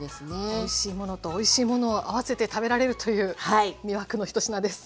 おいしいものとおいしいものを合わせて食べられるという魅惑の一品です。